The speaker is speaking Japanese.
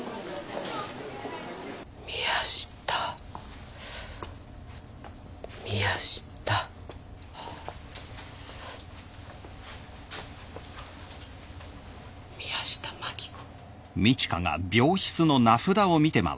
宮下宮下宮下真紀子